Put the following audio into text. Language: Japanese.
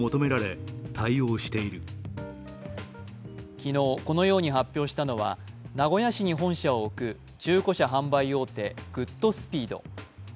昨日このように発表したのは名古屋市に本社を置く中古車販売大手、グッドスピード。